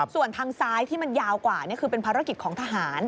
ส่วนทางซ้ายที่มันยาวกว่านี่คือเป็นภารกิจของทหาร